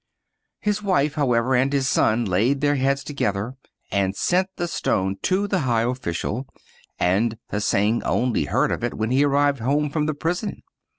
His wife, however, and his son, laid their heads together, and sent the stone to the high official, and Hsing only heard of it when he arrived home from the prison.